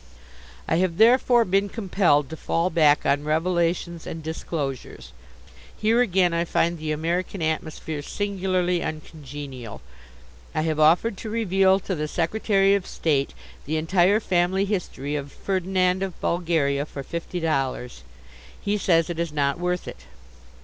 I have therefore been compelled to fall back on revelations and disclosures. Here again I find the American atmosphere singularly uncongenial. I have offered to reveal to the Secretary of State the entire family history of Ferdinand of Bulgaria for fifty dollars. He says it is not worth it.